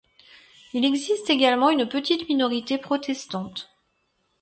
Il existe également une petite minorité protestante.